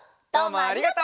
ありがとう！